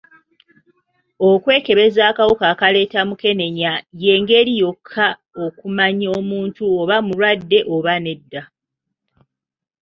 Okwekebeza akawuka akaleeta mukenenya y'engeri yokka okumanya omuntu oba mulwadde oba nedda.